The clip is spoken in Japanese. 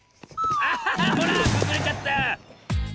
あほらくずれちゃった！